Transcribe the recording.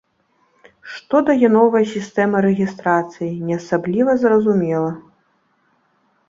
Што дае новая сістэма рэгістрацыі, не асабліва зразумела.